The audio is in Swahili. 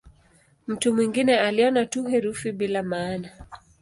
Mtu mwingine aliona tu herufi bila maana.